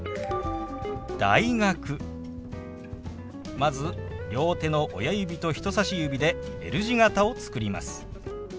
まず両手の親指と人さし指でＬ字形を作ります。